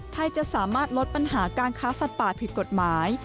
จะสามารถลดปัญหาการค้าสัตว์ป่าผิดกฎหมาย